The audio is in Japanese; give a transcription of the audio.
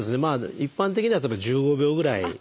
一般的には１５秒ぐらい。